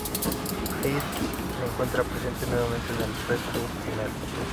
Haydn se encuentra presente nuevamente en el "presto" final.